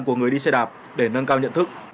của người đi xe đạp để nâng cao nhận thức